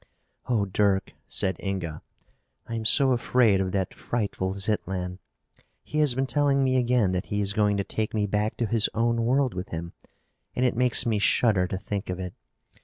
"Oh, Dirk," said Inga, "I am so afraid of that frightful Zitlan. He has been telling me again that he is going to take me back to his own world with him and it makes me shudder to think of it.